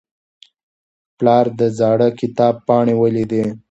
پلار د زاړه کتاب پاڼې ولیدې.